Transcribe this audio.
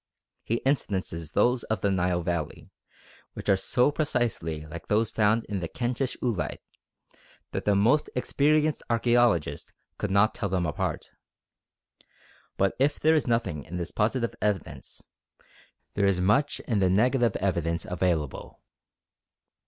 He instances those of the Nile Valley, which are so precisely like those found in the Kentish oolite that the most experienced archæologist could not tell them apart. But if there is nothing in this positive evidence, there is much in the negative evidence available.